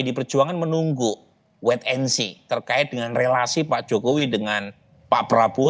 pdi perjuangan menunggu wait and see terkait dengan relasi pak jokowi dengan pak prabowo